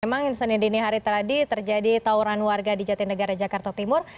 memang di senin dini hari teradi terjadi tawuran warga di jatindegara jakarta timur